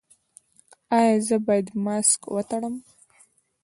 ایا زه باید ماسک وتړم؟